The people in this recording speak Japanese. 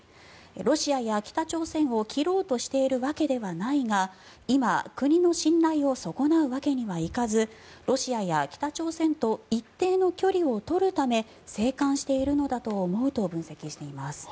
ロシアや北朝鮮を切ろうとしているわけではないが今、国の信頼を損なうわけにはいかずロシアや北朝鮮と一定の距離を取るため静観しているのだと思うと分析しています。